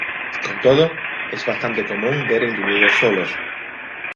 Con todo, es bastante común ver individuos solos.